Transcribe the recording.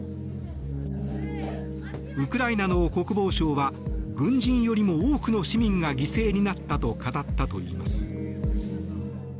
ウクライナの国防相は軍人よりも多くの市民が犠牲になったと語ったといいます。